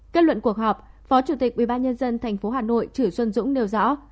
kết luận cuộc họp phó chủ tịch ubnd tp hà nội chửi xuân dũng nêu rõ